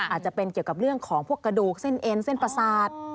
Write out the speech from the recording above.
อาจจะเป็นเกี่ยวกับเรื่องของพวกกระดูกเส้นเอ็นเส้นประสาท